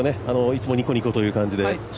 いつもニコニコという感じで。